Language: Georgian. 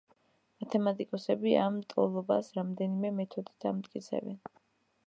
მათემატიკოსები ამ ტოლობას რამდენიმე მეთოდით ამტკიცებენ.